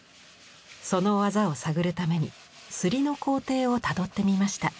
その技を探るために摺りの工程をたどってみました。